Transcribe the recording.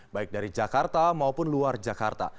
baik dari jakarta maupun luar jakarta